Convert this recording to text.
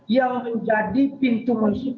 yang menjadi pintu masuk